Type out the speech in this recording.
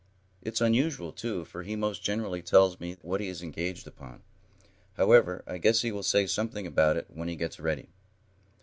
It's unusual, too, for he most generally tells me what he is engaged upon. However, I guess he will say something about it when he gets ready."